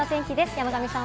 山神さん